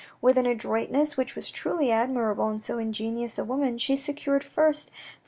With an adroitness which was truly admirable in so ingenuous a woman, she secured first from M.